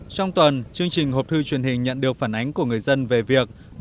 trong tuần chương trình hộp thư truyền hình nhận được phản ánh của người dân về việc